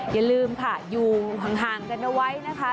อย่าลืมค่ะอยู่ห่างกันเอาไว้นะคะ